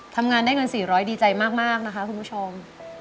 ทำงานได้เงิน๔๐๐ดีใจมากนะคะคุณผู้ชม